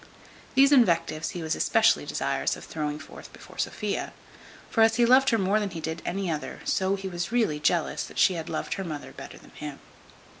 These invectives he was especially desirous of throwing forth before Sophia; for as he loved her more than he did any other, so he was really jealous that she had loved her mother better than him.